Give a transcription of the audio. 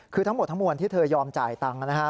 คือทั้งหมดทั้งมวลที่เธอยอมจ่ายตังค์นะฮะ